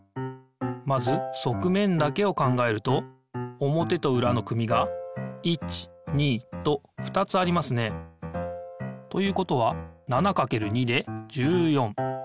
まずそくめんだけを考えると表と裏の組が１２と２つありますね。ということは７×２で１４。